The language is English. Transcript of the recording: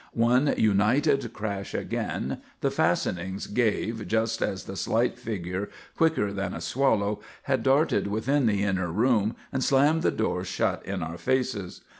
One united crash again, the fastenings gave just as the slight figure, quicker than a swallow, had darted within the inner room and slammed the door shut in our faces.